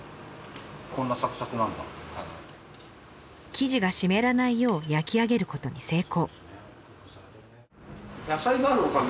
生地が湿らないよう焼き上げることに成功。